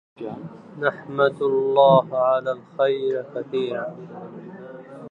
نحمد الله على الخير الكثير